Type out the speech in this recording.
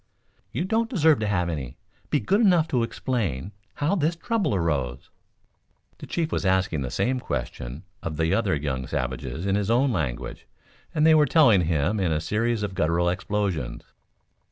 "You don't deserve to have any. Be good enough to explain how this trouble arose?" The chief was asking the same question of the other young savages in his own language and they were telling him in a series of guttural explosions.